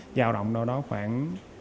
và giao động khoảng một tám